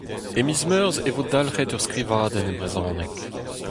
E miz Meurzh e vo dalc'het ur skrivadenn e brezhoneg.